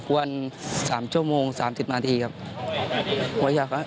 วัน๓ชั่วโมง๓๐นาทีครับ